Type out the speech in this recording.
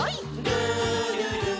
「るるる」